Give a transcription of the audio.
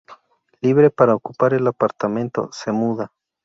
Libre para ocupar el apartamento, se muda.